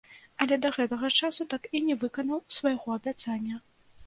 Але да гэтага часу так і не выканаў свайго абяцання.